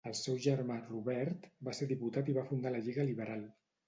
El seu germà, Robert, va ser diputat i va fundar la Lliga Liberal.